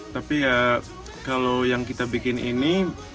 tapi ya kalau yang kita bikin ini